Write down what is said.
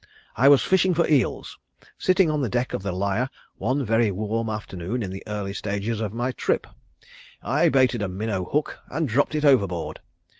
I was fishing for eels. Sitting on the deck of The Lyre one very warm afternoon in the early stages of my trip, I baited a minnow hook and dropped it overboard.